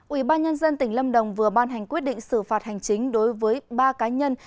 ủy ban nhân dân tỉnh lâm đồng vừa ban hành quyết định xử phạt hành chính đối với ba cá nhân